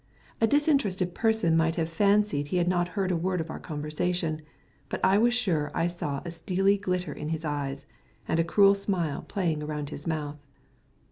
A disinterested person might have fancied he had not heard a word of our conversation, but I was sure I saw a steely glitter in his eyes, and a cruel smile playing around his mouth.